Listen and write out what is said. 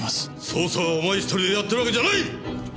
捜査はお前１人でやってるわけじゃない！